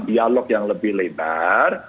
dialog yang lebih lebar